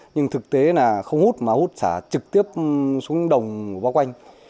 nhưng thực tế là không hút mà hút xả trực tiếp xuống đồng bao quanh